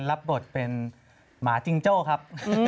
รับบทเป็นหมาจิงโจ้ครับ